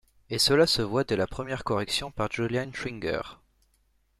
Et cela se voit dès la première correction par Julian Schwinger.